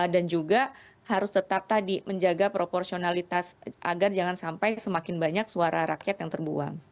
dan juga harus tetap tadi menjaga proporsionalitas agar jangan sampai semakin banyak suara rakyat yang terbuang